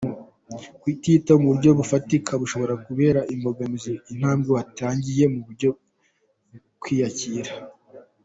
Kutiyitaho mu buryo bufatika bishobora kubera imbogamizi intambwe watangiye mu kwiyakira.